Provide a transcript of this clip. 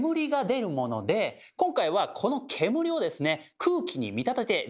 今回はこの煙をですね